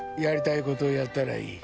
やりたいことやったらいい。